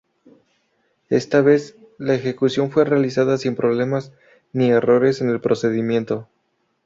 Esta vez, la ejecución fue realizada sin problemas, ni errores en el procedimiento.